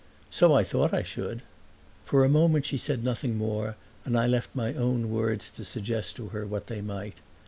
"So I thought I should." For a moment she said nothing more, and I left my own words to suggest to her what they might.